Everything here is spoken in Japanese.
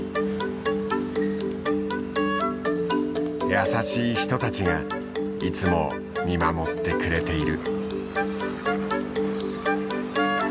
優しい人たちがいつも見守ってくれている。